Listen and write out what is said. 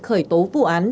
khởi tố vụ án lừa đảo chiến